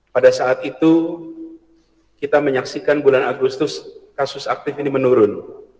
pada saat itu kita menyaksikan bulan agustus kasus aktif ini menurun